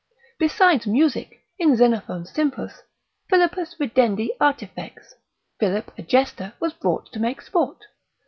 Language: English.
Besides music, in Xenophon's Sympos. Philippus ridendi artifex, Philip, a jester, was brought to make sport.